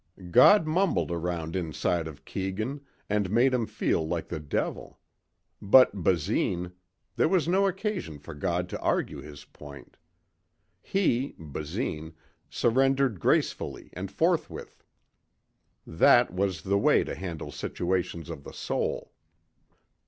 God mumbled around inside of Keegan and made him feel like the devil. But Basine there was no occasion for God to argue His point. He, Basine, surrendered gracefully and forthwith. That was the way to handle situations of the soul.